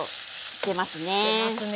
してますね。